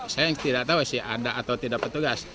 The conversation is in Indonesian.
saya tidak tahu sih ada atau tidak petugas